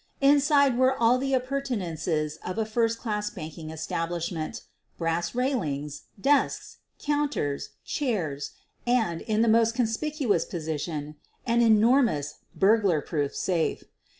Inside were all the appurtenances of a first clas6 banking establishment — brass railings, desks, coun * ters, chairs, and, in the most conspicuous position, an enormous "burglar proof" safe.